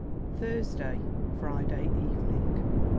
_ THURSDAY, FRIDAY EVENING.